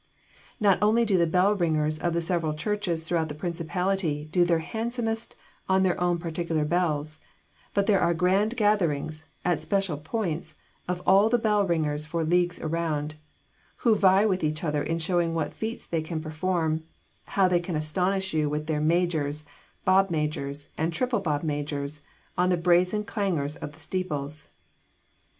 Not only do the bell ringers of the several churches throughout the principality do their handsomest on their own particular bells, but there are grand gatherings, at special points, of all the bell ringers for leagues around, who vie with each other in showing what feats they can perform, how they can astonish you with their majors, bob majors, and triple bob majors, on the brazen clangers of the steeples.